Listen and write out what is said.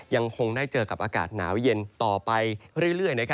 ยังคงได้เจอกับอากาศหนาวเย็นต่อไปเรื่อย